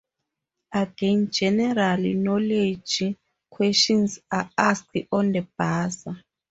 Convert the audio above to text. Again, general knowledge questions are asked on the buzzer.